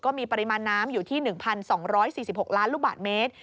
ปริมาณน้ำอยู่ที่๑๒๔๖ล้านลูกบาทเมตร